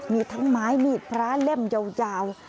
มีทั้งไม้มีดพระเล่มยาว